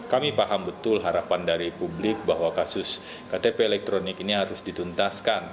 kami paham betul harapan dari publik bahwa kasus ktp elektronik ini harus dituntaskan